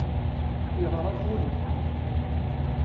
Yeɣra s wul-is.